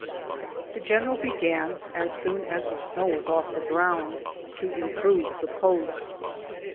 The general began, as soon as the snow was off the ground, to improve the post.